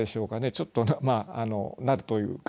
ちょっと「なる」という形。